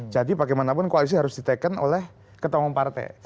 jadi bagaimanapun koalisi harus di taken oleh ketua umum partai